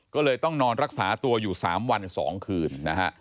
ก็เลยต้องนอนรักษาตัวอยู่๓วัน๒คืนนะฮะ